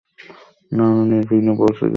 না আমরা নির্বিঘ্নে পৌঁছে গেছি মায়ের অবস্থা কেমন?